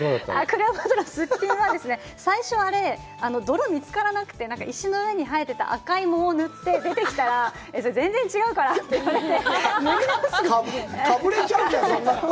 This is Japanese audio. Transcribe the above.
クレオパトラのすっぴんは最初は泥が見つからなくて石の上の赤い藻を塗って出てきたら、全然、違うからって言われて。